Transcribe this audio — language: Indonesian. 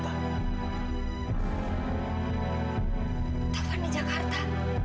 taufan di jakarta